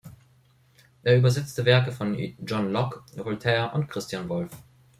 Er übersetzte Werke von John Locke, Voltaire und Christian Wolff.